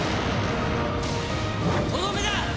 とどめだ！